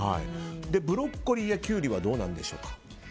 ブロッコリーやキュウリはどうなんでしょうか。